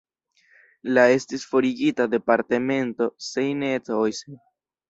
La estis forigita departemento Seine-et-Oise.